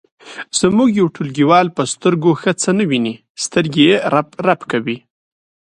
زموږ یو ټولګیوال په سترګو ښه څه نه ویني سترګې یې رپ رپ کوي.